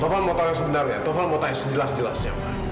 taufan mau tahu yang sebenarnya taufan mau tanya sejelas jelasnya